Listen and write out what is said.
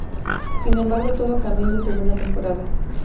Sin embargo todo cambió en su segunda temporada.